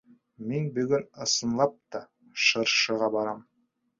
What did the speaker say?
— Мин бөгөн ысынлап та шыршыға барам.